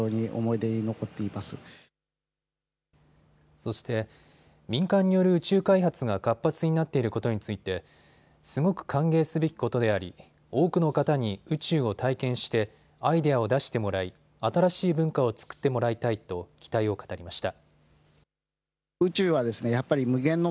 そして民間による宇宙開発が活発になっていることについてすごく歓迎すべきことであり、多くの方に宇宙を体験してアイデアを出してもらい新しい文化を作ってもらいたいと期待を語りました。